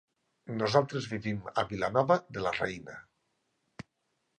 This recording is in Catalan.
Nosaltres vivim a Vilanova de la Reina.